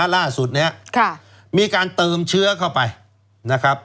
ล่าสุดนี้มีการเติมเชื้อเข้าไปนะครับ